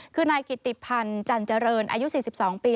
คือนายกิติพันธ์จันเจริญอายุ๔๒ปี